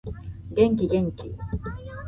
元気元気